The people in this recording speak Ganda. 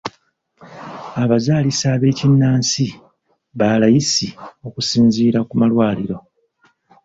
Abazaalisa ab'ekinnansi ba layisi okusinziira ku malwaliro.